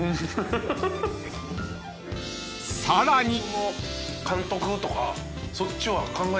［さらに］